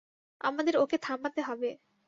আমাদের ওকে থামাতে হবে।